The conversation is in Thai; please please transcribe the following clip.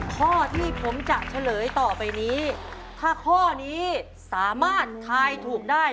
ข้อที่ผมจะเฉลยต่อไปนี้ถ้าข้อนี้สามารถทายถูกได้